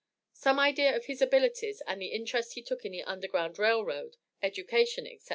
Some idea of his abilities, and the interest he took in the Underground Rail Road, education, etc.